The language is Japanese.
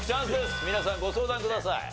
皆さんご相談ください。